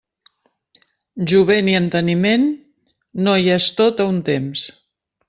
Jovent i enteniment, no hi és tot a un temps.